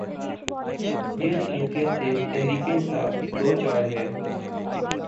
جس کیفیت سے تحریک انصاف دوچار ہے۔